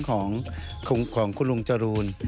ของคุณลุงจรูน